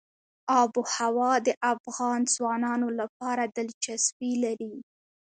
آب وهوا د افغان ځوانانو لپاره دلچسپي لري.